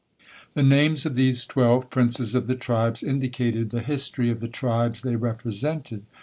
The names of these twelve princes of the tribes indicated the history of the tribes they represented.